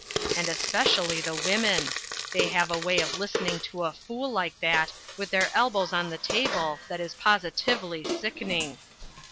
And especially the women: they have a way of listening to a fool like that with their elbows on the table that is positively sickening.